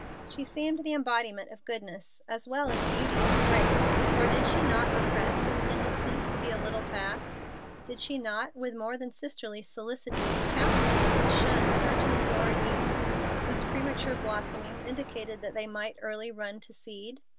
She seemed the embodiment of goodness, as well as beauty and grace, for did she not repress his tendencies to be a little fast? Did she not, with more than sisterly solicitude, counsel him to shun certain florid youth whose premature blossoming indicated that they might early run to seed?